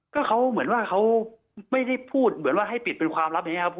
ก็เขาเหมือนว่าเขาไม่ได้พูดเหมือนว่าให้ปิดเป็นความลับอย่างนี้ครับ